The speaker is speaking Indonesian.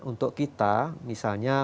untuk kita misalnya